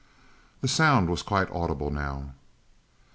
The sound was quite audible now.